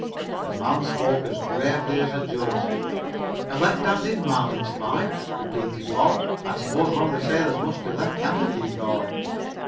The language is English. The man spoke as gravely as a judge. "A left handed marlinspike?" repeated Bob. "I suppose one of the sailors must be left handed," he thought.